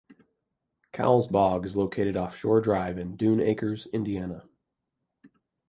Cowles Bog is located off Shore Drive in Dune Acres, Indiana.